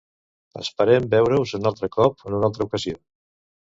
Esperem veure-us un altre cop en una altre ocasió.